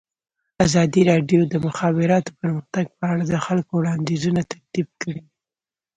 ازادي راډیو د د مخابراتو پرمختګ په اړه د خلکو وړاندیزونه ترتیب کړي.